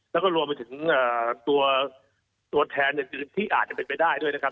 แล้วก็รวมไปถึงตัวแทนที่อาจจะเป็นไปได้ด้วยนะครับ